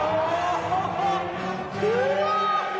うわ！